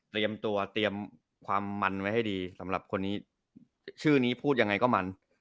เตรียมความมันไว้ให้ดีสำหรับคนนี้ชื่อนี้พูดยังไงก็มัน